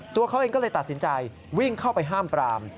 ตัวเขาเองก็เลยตัดสินใจวิ่งเข้าไปห้ามปราม